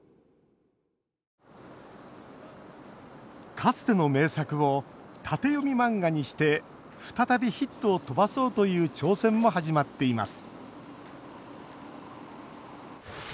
かつての名作を縦読み漫画にして再びヒットを飛ばそうという挑戦も始まっています